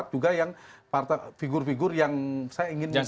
juga yang figure figure yang saya ingin mengatakan